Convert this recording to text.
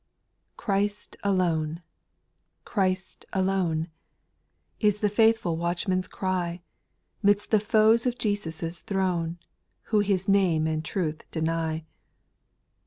8. Christ alone — Christ alone — Is the faithful watchman's cry, Midst the foes of Jesus' throne, Who His name and truth deny.